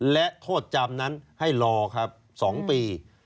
และโทษจำนั้นให้รอครับ๒ปี